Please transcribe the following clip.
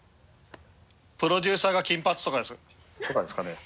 プロデューサーが金髪とかですかね。